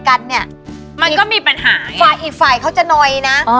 แค่ไฟล์เขาจะน้อยนะ